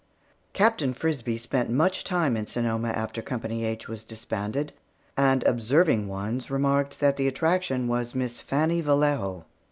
Captain Frisbie spent much time in Sonoma after Company H was disbanded, and observing ones remarked that the attraction was Miss Fannie Vallejo.